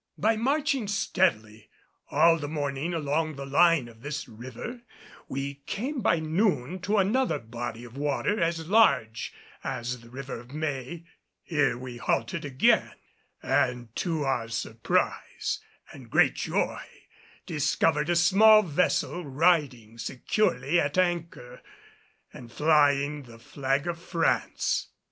By marching steadily all the morning along the line of this river, we came by noon to another body of water as large as the River of May. Here we halted again, and to our surprise and great joy discovered a small vessel riding securely at anchor, and flying the flag of France!